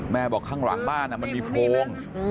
บอกข้างหลังบ้านมันมีโพรง